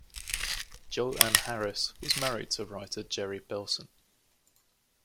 Jo Ann Harris was married to writer Jerry Belson.